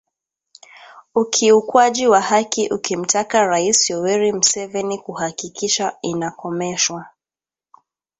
ukiukwaji wa haki ukimtaka Rais Yoweri Museveni kuhakikisha inakomeshwa